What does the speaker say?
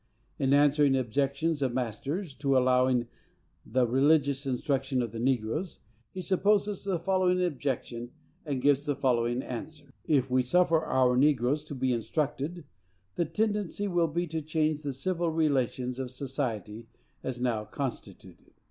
In answering objections of masters to allowing the religious instruction of the negroes, he supposes the following objection, and gives the following answer: If we suffer our negroes to be instructed, the tendency will be to change the civil relations of society as now constituted.